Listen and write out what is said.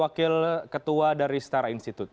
wakil ketua dari setara institute